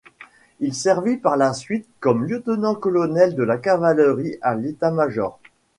Il servit par la suite comme lieutenant-colonel de cavalerie à l'État-major.